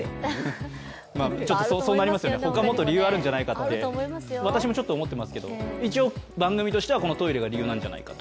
他、もっと理由あるんじゃないかって私もちょっと思っていますけど、一応番組としてはこのトイレが理由じゃないかと。